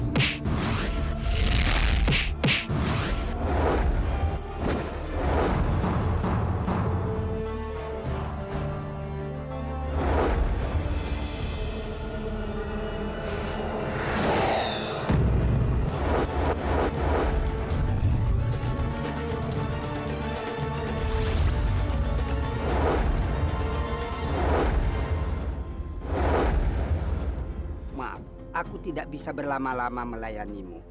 maaf aku tidak bisa berlama lama melayanimu